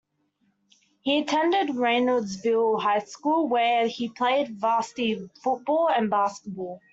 He attended Reynoldsville High School where he played varsity football and basketball.